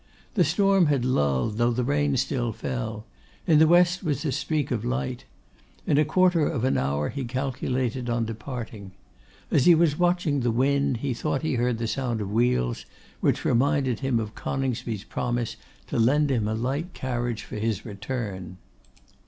The storm had lulled, though the rain still fell; in the west was a streak of light. In a quarter of an hour, he calculated on departing. As he was watching the wind he thought he heard the sound of wheels, which reminded him of Coningsby's promise to lend him a light carriage for his return.